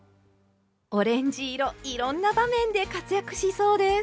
オレンジ色いろんな場面で活躍しそうです。